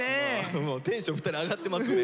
テンション２人上がってますね。